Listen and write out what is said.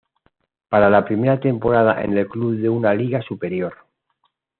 Para la primera temporada en el club de una liga superior.